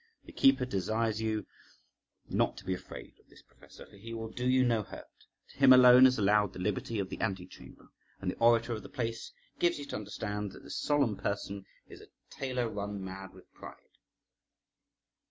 The keeper desires you not to be afraid of this professor, for he will do you no hurt; to him alone is allowed the liberty of the ante chamber, and the orator of the place gives you to understand that this solemn person is a tailor run mad with pride.